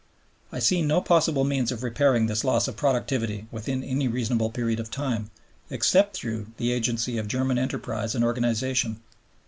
I see no possible means of repairing this loss of productivity within any reasonable period of time except through the agency of German enterprise and organization.